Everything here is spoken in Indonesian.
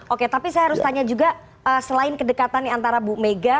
oke tapi saya harus tanya juga selain kedekatan antara bu mega